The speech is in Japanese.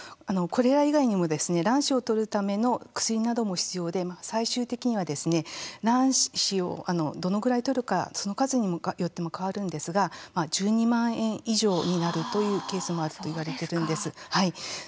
これら以外にも卵子を採るための薬なども必要で、最終的には卵子をどのぐらい採るかその数によっても変わるんですが１２万円以上になるというケースもあるといわれているんです。